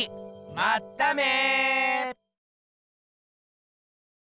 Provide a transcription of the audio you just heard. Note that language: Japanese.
まっため。